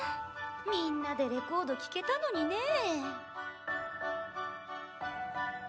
みんなでレコード聴けたのにねぇ。